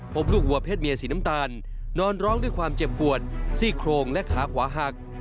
พบลูกวัวเพศเมียสีน้ำตาลนอนร้องด้วยความเจ็บปวดซี่โครงและขาขวาหัก